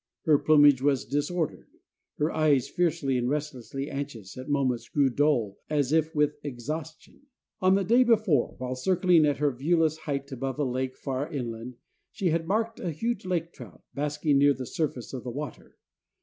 Her plumage was disordered. Her eyes, fiercely and restlessly anxious, at moments grew dull as if with exhaustion. On the day before, while circling at her viewless height above a lake far inland, she had marked a huge lake trout, basking near the surface of the water.